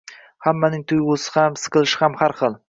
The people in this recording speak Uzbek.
Hammaning tuyg‘usi ham, siqilishi ham har xil.